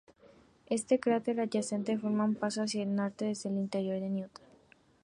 Este cráter adyacente forma un paso hacia el norte desde el interior de Newton.